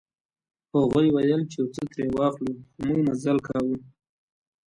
هغوی ویل چې یو څه ترې واخلو خو موږ مزل کاوه.